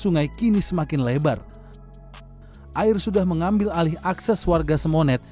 nggak ada tempat untuk mengalir ke sana